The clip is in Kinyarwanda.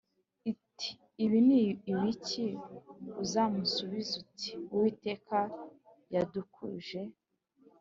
ati Ibi ni ibiki Uzamusubize uti Uwiteka yadukuje